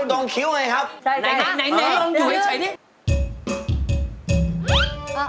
ตรงคิ้วไงครับ